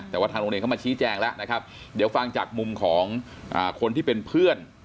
แต่ว่าทางโรงเรียนเข้ามาชี้แจงแล้วนะครับเดี๋ยวฟังจากมุมของคนที่เป็นเพื่อน